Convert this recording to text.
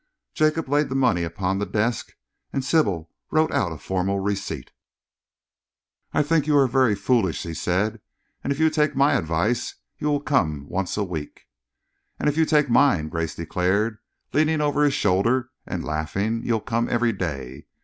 Jacob laid the money upon the desk, and Sybil wrote out a formal receipt. "I think you are very foolish," she said, "and if you take my advice you will come once a week." "And if you take mine," Grace declared, leaning over his shoulder and laughing, "you'll come every day.